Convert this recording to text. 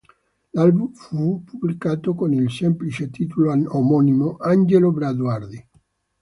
L'album fu pubblicato con il semplice titolo omonimo "Angelo Branduardi".